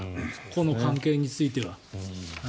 この関係については。